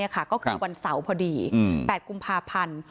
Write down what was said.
ก็คือวันเสาร์พอดี๘กุมภาพันธ์